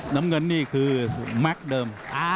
น้ำเงินนี่คือแม็กซ์เดิม